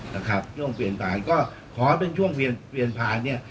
นะครับช่วงเปลี่ยนผ่านก็ขอให้เป็นช่วงเปลี่ยนเปลี่ยนผ่านเนี่ย